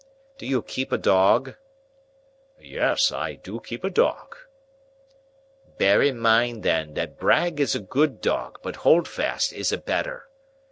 Do you keep a dog?" "Yes, I do keep a dog." "Bear in mind then, that Brag is a good dog, but Holdfast is a better.